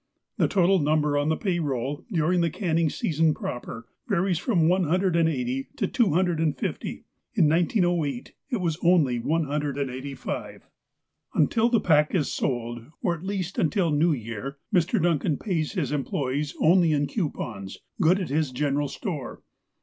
The total number on the pay roll, during the canning season proper, varies from one hundred and eighty to two hundred and fifty. In 1908, it was only one hundred and eighty five. THE METLAKAHTLA INDUSTRIES 357 Until the pack is sold, or at least until New Year, Mr. Duncan pays his employees only in coupons, good at his general store.